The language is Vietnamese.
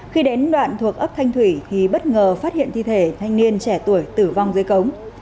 khi đến đoạn thuộc ấp thanh thủy thì bất ngờ phát hiện thi thể thanh niên trẻ tuổi tử vong dưới cống